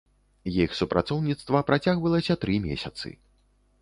Іх супрацоўніцтва працягвалася тры месяцы.